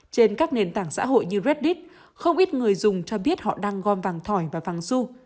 trên các nền tảng xã hội như reddit không ít người dùng cho biết họ đang gom vàng thỏi và vàng su